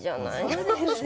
そうですね。